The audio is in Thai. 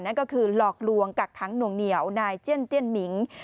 นั่นก็คือหลอกลวงกักขังหน่วงเหนียวนายเจียนเจียนหมิง